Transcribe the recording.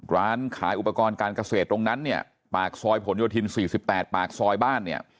ร้านขายอุปกรณ์การเกษตรตรงนั้นเนี่ยปากซอยผลโยธิน๔๘ปากซอยบ้านเนี่ย